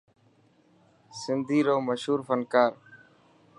سنڌي رو مشهور فنڪار.